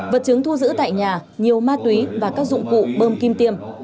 vật chứng thu giữ tại nhà nhiều ma túy và các dụng cụ bơm kim tiêm